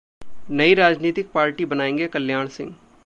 नई राजनीतिक पार्टी बनाएंगे कल्याण सिंह